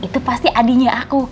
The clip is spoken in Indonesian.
itu pasti adinya aku